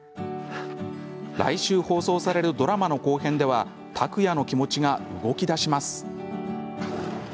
来週放送されるドラマの後編では拓哉の気持ちが動きだします。